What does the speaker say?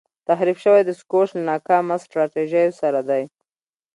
تحریف شوی دسکورس له ناکامه سټراټیژیو سره دی.